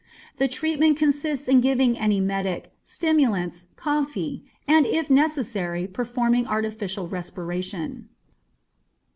The treatment consists in giving an emetic, stimulants, coffee, and, if necessary, performing artificial respiration.